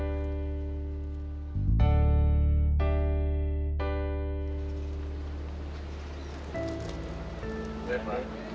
ini aku udah deket ke makam mami aku